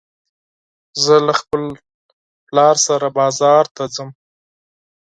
زه له خپل پلار سره بازار ته ځم